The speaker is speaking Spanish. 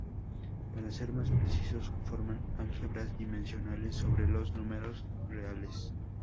Para ser más precisos, forman álgebras n-dimensionales sobre los números reales.